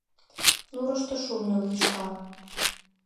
Нурышто шурно лӱшка.